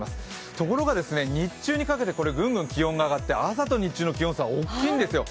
ところが日中にかけてぐんぐん気温が上がって朝と昼の気温差大きいんですよ。